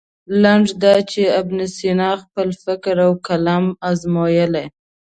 لنډه دا چې ابن سینا خپل فکر او قلم ازمویلی.